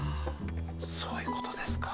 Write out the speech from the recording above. そういうことですか。